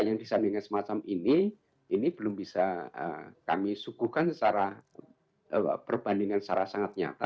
yang disandingkan semacam ini ini belum bisa kami suguhkan secara perbandingan secara sangat nyata